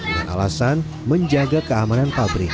dengan alasan menjaga keamanan pabrik